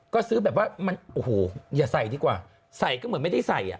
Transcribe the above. ก็ซื้อแบบว่ามันโอ้โหอย่าใส่ดีกว่าใส่ก็เหมือนไม่ได้ใส่อ่ะ